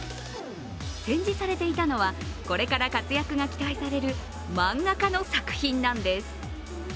展示されていたのは、これから活躍が期待される漫画家の作品なんです。